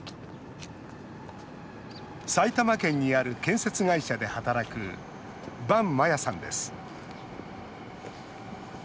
埼玉県にある建設会社で働く坂麻弥さんです。